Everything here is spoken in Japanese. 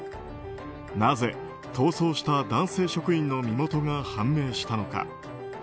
なぜ逃走した男性職員の身元が判明したのか。